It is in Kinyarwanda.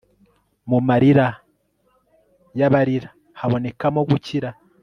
mu marira y'abarira habonekamo gukira